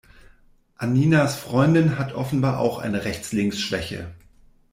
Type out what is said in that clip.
Anninas Freundin hat offenbar auch eine Rechts-links-Schwäche.